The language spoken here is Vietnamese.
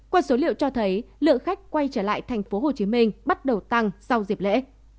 qua số liệu cho thấy lượng khách quay trở lại tp hcm bắt đầu tăng sau dịp lễ